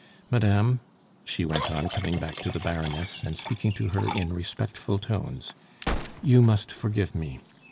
"Madame," she went on, coming back to the Baroness, and speaking to her in respectful tones, "you must forgive me.